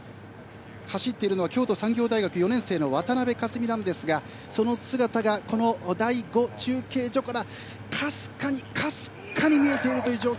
走っているのは京都産業大学４年生の渡邉香澄ですがその姿がこの第５中継所からかすかに見えているという状況。